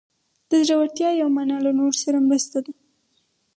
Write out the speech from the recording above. د زړورتیا یوه معنی له نورو سره مرسته ده.